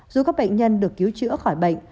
dù các bệnh nhân được cứu chữa khỏi bệnh